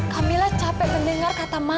kamila capek mendengar kata kata kamila